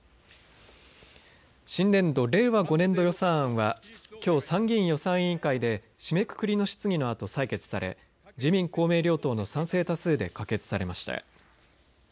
新年度・令和５年度予算案はきょう参議院予算委員会で締めくくりの質疑のあと採決され自民公明両党の賛成多数で可決されました。